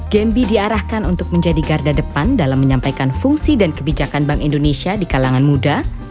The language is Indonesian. genbi diarahkan untuk menjadi garda depan dalam menyampaikan fungsi dan kebijakan bank indonesia di kalangan muda